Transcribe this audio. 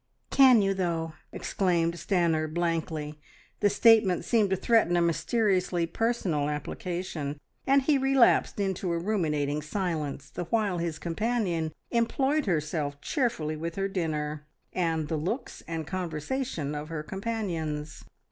"Can you, though!" exclaimed Stanor blankly. The statement seemed to threaten a mysteriously personal application, and he relapsed into a ruminating silence, the while his companion employed herself cheerfully with her dinner and the looks and conversation of her companions.